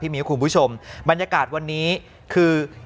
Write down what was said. มิ้วคุณผู้ชมบรรยากาศวันนี้คือ